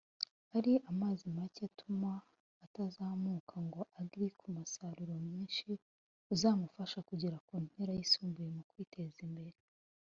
ari amazi make atuma atazamuka ngo agree ku musaruro mwinshi uzamufasha kugera ku ntera yisumbuyeho mu kwiteza imbere